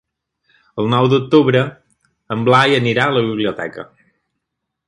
El nou d'octubre en Blai anirà a la biblioteca.